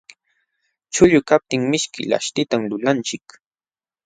Chuqllu kaptin mishki laśhtitan lulanchik.